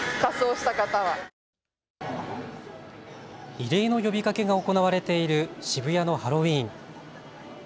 異例の呼びかけが行われている渋谷のハロウィーン。